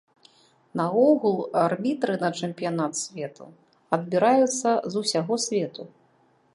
Наогул, арбітры на чэмпіянат свету адбіраюцца з усяго свету.